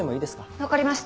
分かりました。